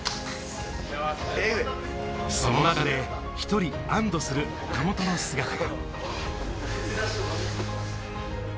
その中で一人、安堵する岡本の姿が。